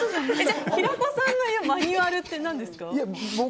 平子さんの言うマニュアルって何ですか？